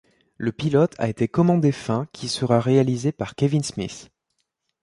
Le pilote a été commandé fin qui sera réalisé par Kevin Smith.